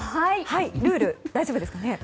ルール大丈夫ですかね。